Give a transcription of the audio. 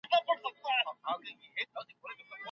د توليد کچه د ماشينونو د زړوالي له امله ټيټيدله.